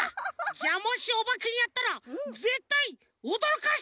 じゃもしおばけにあったらぜったいおどろかしてやる！